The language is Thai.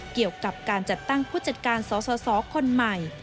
เกี่ยวกับการจัดตั้งผู้จัดการสสคนใหม่